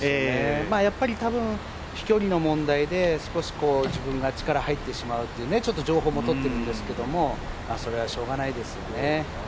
やっぱり多分、飛距離の問題で自分が力入ってしまうという情報も入ってるんですけどそれはしょうがないですよね。